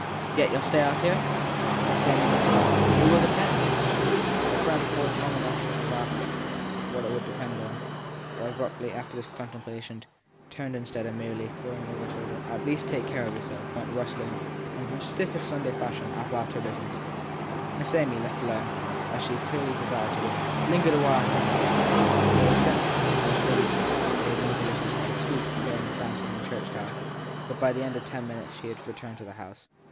Yet you ll stay out here ? Miss Amy looked about. It will depend ! Her friend paused long enough to have asked what it would depend on, but abruptly, after this contemplation, turned instead and, merely throwing over her shoulder an At least 266 THE THIRD PERSON take care of yourself ! went rustling, in her stiffest Sunday fashion, about her business. Miss Amy, left alone, as she clearly desired to be, lingered awhile in the garden, where the sense of things was somehow made still more delicious by the sweet, vain sounds from the church tower ; but by the end of ten minutes she had returned to the house.